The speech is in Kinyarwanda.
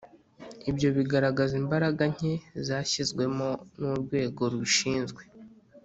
Ibyo bigaragaza imbaraga nke zashyizwemo n Urwego rubishinzwe